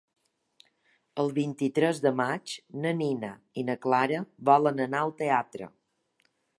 El vint-i-tres de maig na Nina i na Clara volen anar al teatre.